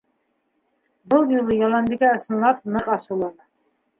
Был юлы Яланбикә ысынлап ныҡ асыулана: